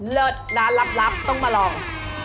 เลิศร้านลับต้องมาลอง